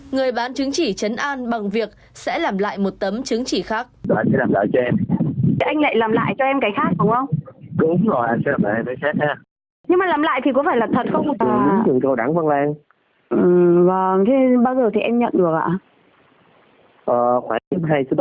người bán chứng chỉ chấn an bằng việc sẽ làm lại một tấm chứng chỉ khác